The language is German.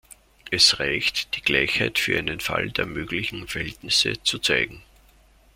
Es reicht, die Gleichheit für einen Fall der möglichen Verhältnisse zu zeigen.